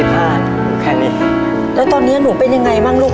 แค่นี้แล้วตอนนี้หนูเป็นยังไงบ้างลูก